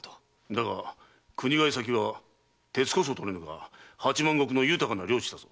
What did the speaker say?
だが国替先は鉄こそ採れぬが八万石の豊かな領地だぞ。